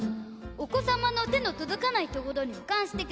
お子様の手の届かないところに保管してください。